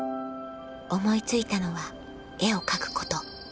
思い付いたのは絵を描くこと